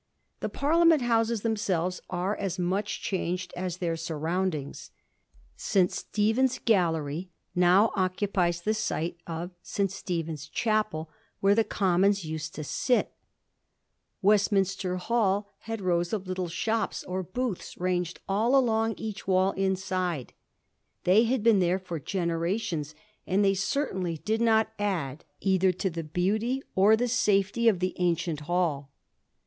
The Parliament Houses themselves are as much changed as their surroundings. St. Stephen's Gallery now occupies the site of St. Stephen's Chapel, where the Commons used to sit Westminster Hall had rows of little shops or booths ranged all along each wall inside ; they had been there for generations, and they certainly did not add either to the beauty or the safety of the ancient hall.